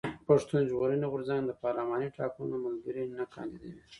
پښتون ژغورني غورځنګ د پارلېمان ټاکنو ته ملګري نه کانديدوي.